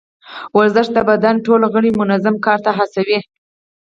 ورزش د بدن ټول غړي منظم کار ته هڅوي.